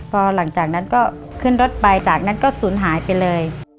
พอหลังจากนั้นก็ขึ้นรถไปจากนั้นก็สูญหายไปเลย